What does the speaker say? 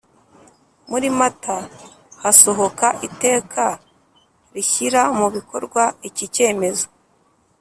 muri Mata hasohoka iteka rishyira mu bikorwa iki cyemezo